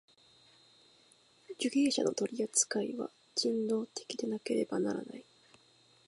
受刑者の取扱いは人道的でなければならない。